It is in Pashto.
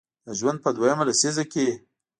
د ژوند په دویمه لسیزه کې